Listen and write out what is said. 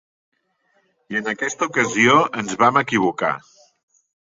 I en aquesta ocasió ens vam equivocar.